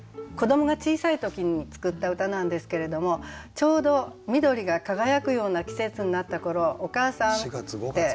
子どもが小さい時に作った歌なんですけれどもちょうど緑が輝くような季節になった頃「お母さん」って。